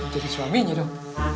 jadi suaminya dong